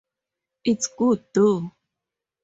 It's good though!